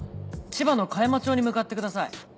千葉の香山町に向かってください。